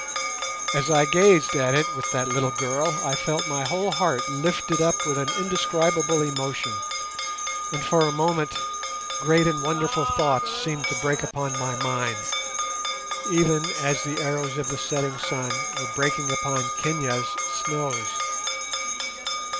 As I gazed at it with that little girl I felt my whole heart lifted up with an indescribable emotion, and for a moment great and wonderful thoughts seemed to break upon my mind, even as the arrows of the setting sun were breaking upon Kenia's snows.